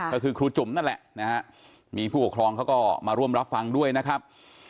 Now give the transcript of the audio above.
ก็คือครูจุ๋มนั่นแหละนะฮะมีผู้ปกครองเขาก็มาร่วมรับฟังด้วยนะครับ